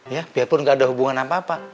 ya biarpun gak ada hubungan sama papa